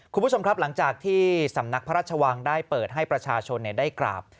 คุณผู้ชมครับหลังจากที่สำนักพระราชวังได้เปิดให้ประชาชนได้กราบ